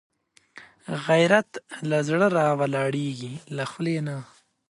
غیرت له زړه راولاړېږي، له خولې نه